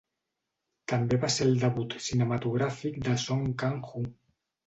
També va ser el debut cinematogràfic de Song Kang-ho.